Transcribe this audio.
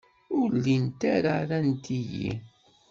Ur llint ara rant-iyi.